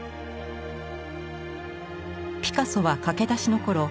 ピカソは駆け出しのころ